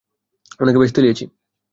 উনাকে বেশ তেলিয়েছি!